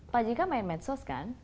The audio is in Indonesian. pak jk main medsos kan